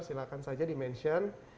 silahkan saja di mention